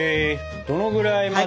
どのぐらいまで？